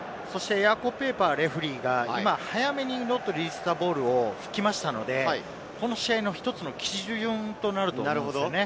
ヤコ・ペイパーレフェリーが、早めにノットリリースザボールを引きましたので、この試合の１つの基準となると思いますね。